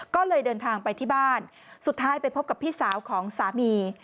ก็เลยเดินทางไปที่บ้านสุดท้ายไปพบกับพี่สาวของสามี